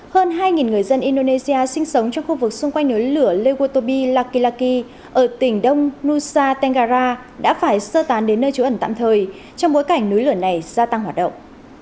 hơn hai người dân indonesia sinh sống trong khu vực xung quanh núi lửa legotobi lakilaki ở tỉnh đông nusa tenggara đã phải sơ tán đến nơi trú ẩn tạm thời trong bối cảnh núi lửa này gia tăng hoạt động